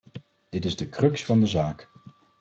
Dit is de crux van de zaak.